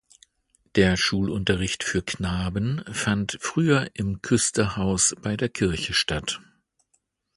Der Schulunterricht für Knaben fand früher im Küsterhaus bei der Kirche statt.